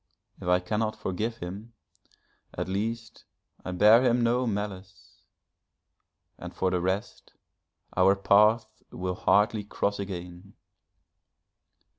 If I cannot forgive him, at least I bear him no malice, and for the rest, our paths will hardly cross again.